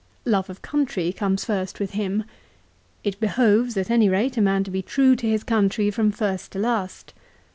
Love of country comes first with him. It behoves, at any rate, a man to be true to his country from first to last.